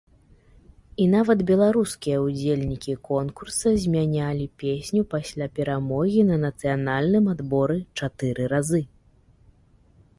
І нават беларускія ўдзельнікі конкурса змянялі песню пасля перамогі на нацыянальным адборы чатыры разы.